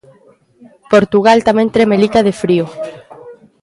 Portugal tamén tremelica de frío.